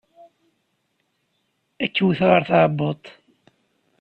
Ad k-wteɣ ɣer tɛebbuḍt.